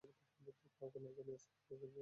কাউকে না জানিয়ে এসপিকে বল তাকে খুঁজে বের করতে।